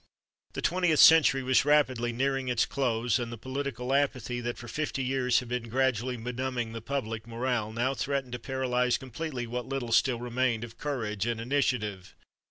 The twentieth century was rapidly nearing its close and the political apathy that for fifty years had been gradually benumbing the Public morale now threatened to paralyze completely what little still remained of courage and initiative.